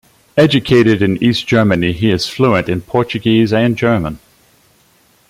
Educated in East Germany, he is fluent in Portuguese and German.